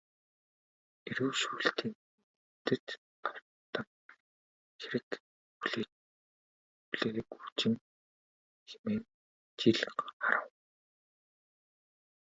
Эрүү шүүлтийн хүндэд автан хэрэг хүлээгүүжин хэмээн жил харав.